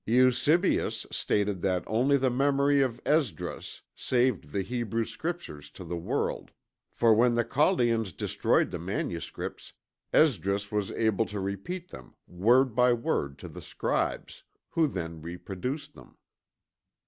Eusebius stated that only the memory of Esdras saved the Hebrew Scriptures to the world, for when the Chaldeans destroyed the manuscripts Esdras was able to repeat them, word by word to the scribes, who then reproduced them.